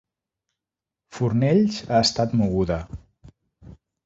Fornells ha estat moguda.